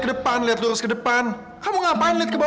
kamu liat koridorul kamu liat liat pantai